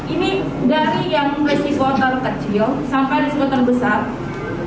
ini dari yang resiko terkecil sampai resiko terbesar